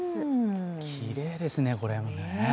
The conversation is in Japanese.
きれいですね、これもね。